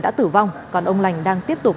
đã tử vong còn ông lành đang tiếp tục